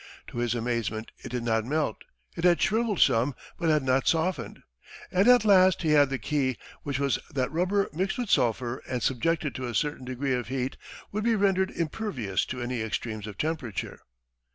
To his amazement it did not melt; it had shrivelled some, but had not softened. And, at last, he had the key, which was that rubber mixed with sulphur and subjected to a certain degree of heat, would be rendered impervious to any extremes of temperature!